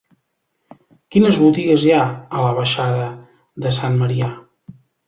Quines botigues hi ha a la baixada de Sant Marià?